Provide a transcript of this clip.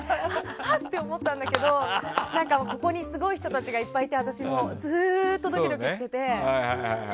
はっ！って思ったんだけどすごい人がいっぱいいて私もずっとドキドキしてて。